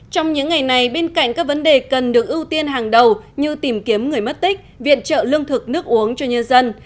trong những ngày này bên cạnh các vấn đề cần được ưu tiên hàng đầu như tìm kiếm người mất tích viện trợ lương thực nước uống cho nhân dân